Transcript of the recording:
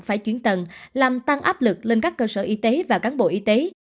phải chuyển tầng làm tăng áp lực lên các cơ sở y tế và cán bộ y tế